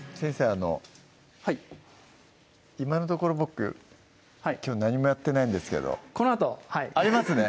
あのはい今のところ僕きょう何もやってないんですけどこのあとありますね